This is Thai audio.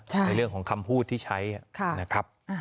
ใช่ในเรื่องของคำพูดที่ใช้ค่ะนะครับอ่า